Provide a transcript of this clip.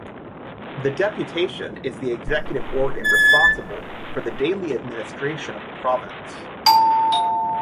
The Deputation is the executive organ responsible for the daily administration of the province.